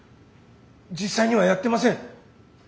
実際にはやってません。